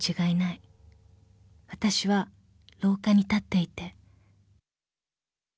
［わたしは廊下に立っていて］